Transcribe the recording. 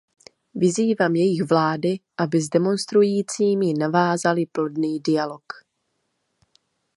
Vyzývám jejich vlády, aby s demonstrujícími navázaly plodný dialog.